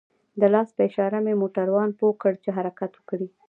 د لاس په اشاره مې موټروان پوه كړ چې حركت وكړي.